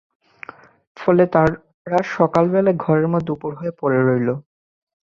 ফলে তারা সকাল বেলায় ঘরের মধ্যে উপুড় হয়ে পড়ে রইল।